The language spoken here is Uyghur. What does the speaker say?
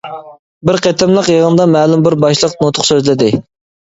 بىر قېتىملىق يىغىندا مەلۇم بىر باشلىق نۇتۇق سۆزلىدى.